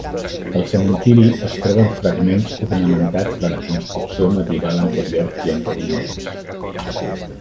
Al cementiri, es troben fragments ornamentats de la construcció medieval anterior i en ruïnes.